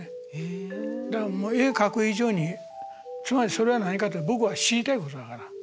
だから絵描く以上につまりそれは何かって僕が知りたいことだから。